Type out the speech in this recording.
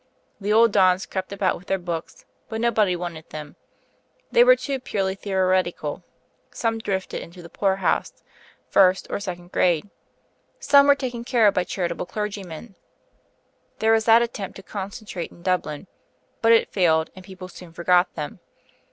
The old dons crept about with their books, but nobody wanted them they were too purely theoretical; some drifted into the poorhouses, first or second grade; some were taken care of by charitable clergymen; there was that attempt to concentrate in Dublin; but it failed, and people soon forgot them.